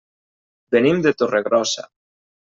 Venim de Torregrossa.